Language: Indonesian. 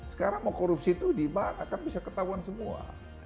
sekarang mau korupsi itu di mana kan bisa ketahuan semua